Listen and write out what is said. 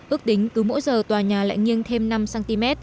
ước tính cứ mỗi giờ tòa nhà lại nghiêng thêm năm cm